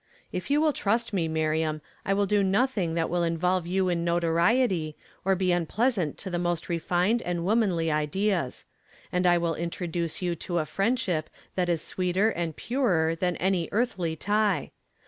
I]' you will trust me, Miriam, I will d„ nothhig fiat will involve you in notoriety, oi he unpleasant to iho most refined and omanly ideas ; and I will introduce you to a friendship that is sweeter and purer than any earthly tie.